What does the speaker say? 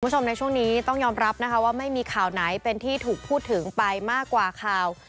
คุณผู้ชมในช่วงนี้ต้องยอมรับนะคะว่าไม่มีข่าวไหนเป็นที่ถูกพูดถึงไปมากกว่าข่าว